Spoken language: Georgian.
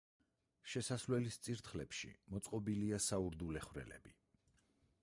შესასვლელის წირთხლებში მოწყობილია საურდულე ხვრელები.